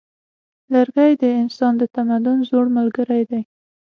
لرګی د انسان د تمدن زوړ ملګری دی.